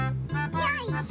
よいしょ。